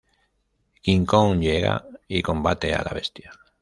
King Kong llega y combate a la bestia.